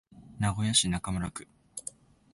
名古屋市中村区